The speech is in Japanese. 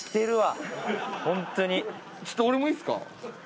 ちょっと俺もいいですか？